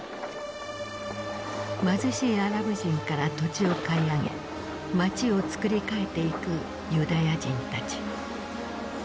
貧しいアラブ人から土地を買い上げ町をつくり替えていくユダヤ人たち。